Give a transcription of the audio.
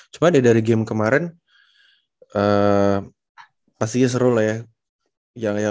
cuma dari game kemaren pastinya serul ya